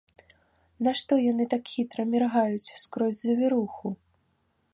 Нашто яны так хітра міргаюць скрозь завіруху?